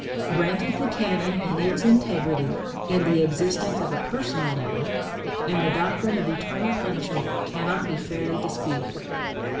Granted the canon in its integrity, and the existence of a personal Devil, and the doctrine of eternal punishment cannot be fairly disputed.